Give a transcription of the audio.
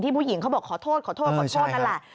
ที่ผู้หญิงเขาบอกขอโทษนั่นแหละ